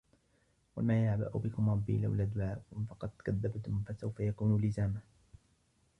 قُل ما يَعبَأُ بِكُم رَبّي لَولا دُعاؤُكُم فَقَد كَذَّبتُم فَسَوفَ يَكونُ لِزامًا